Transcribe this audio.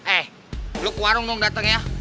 eh lo ke warung nung dateng ya